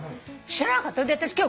知らなかったでしょ？